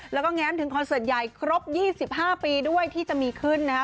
แล้วก็แง้มถึงคอนเสิร์ตใหญ่ครบ๒๕ปีด้วยที่จะมีขึ้นนะฮะ